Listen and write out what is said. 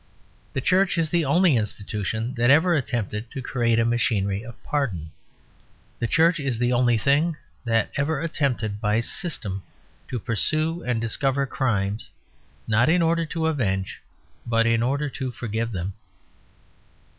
The Church is the only institution that ever attempted to create a machinery of pardon. The Church is the only thing that ever attempted by system to pursue and discover crimes, not in order to avenge, but in order to forgive them.